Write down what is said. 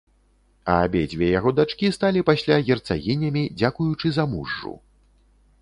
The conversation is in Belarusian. А абедзве яго дачкі сталі пасля герцагінямі дзякуючы замужжу.